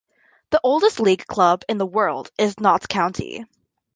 The oldest league club in the world is Notts County.